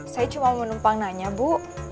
saya cuma menumpang nanya bu